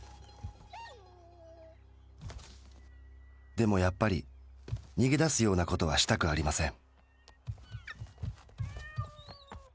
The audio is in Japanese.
でもやっぱり逃げ出すようなことはしたくありません。